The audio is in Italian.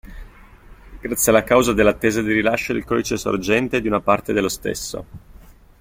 Grazie alla causa dell'attesa del rilascio del codice sorgente di una parte dello stesso.